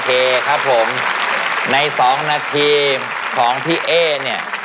เคครับผมในสองนาทีของพี่เอ๊เนี่ย